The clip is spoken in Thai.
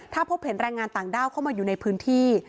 ถ้าพบเห็นแรงงานต่างด้าวเข้ามาอยู่ในพื้นที่